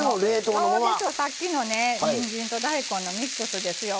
さっきのねにんじんと大根のミックスですよ。